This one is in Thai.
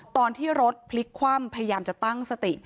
ตอนที่รถพลิกคว่ำพยายามจะตั้งสติ